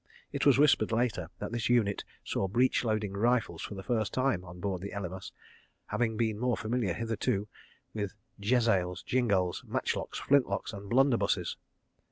It was whispered later that this unit saw breech loading rifles for the first time, on board the Elymas, having been more familiar, hitherto, with jezails, jingals, match locks, flintlocks, and blunderbusses.